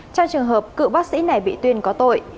trong trường hợp cựu bác sĩ này bị tuyên có tội